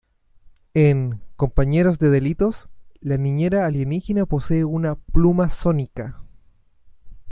En "Compañeros de delitos", la niñera alienígena posee una "pluma sónica".